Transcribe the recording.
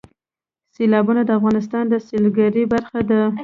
سیلابونه د افغانستان د سیلګرۍ برخه ده.